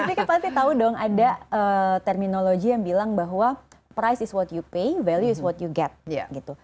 mbak desy pasti tahu dong ada terminologi yang bilang bahwa price is what you pay value is what you get